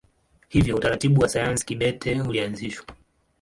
Hivyo utaratibu wa sayari kibete ulianzishwa.